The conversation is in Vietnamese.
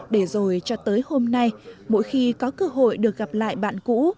để rồi cho tới hôm nay mỗi khi có cơ hội được gặp lại bạn cũ